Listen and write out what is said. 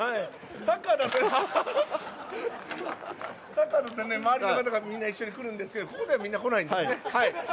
サッカーだと周りの方が一緒に来るんですけどここでは、みんな来ないんですね。